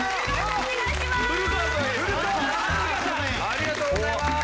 ありがとうございます！